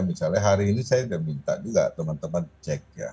misalnya hari ini saya sudah minta juga teman teman cek ya